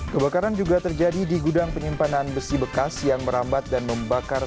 kebakaran juga terjadi di gudang penyimpanan besi bekas yang merambat dan membakar